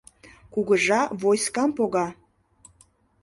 Кугыжа войскам пога